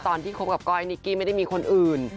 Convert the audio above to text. คบกับก้อยนิกกี้ไม่ได้มีคนอื่น